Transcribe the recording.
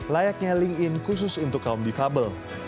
layaknya link in khusus untuk kaum difabel